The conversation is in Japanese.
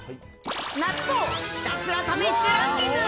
納豆ひたすら試してランキング。